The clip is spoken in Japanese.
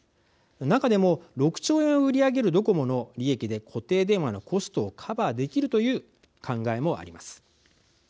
中でも６兆円を売り上げるドコモの利益で固定電話のコストをカバーできるという考えもあります。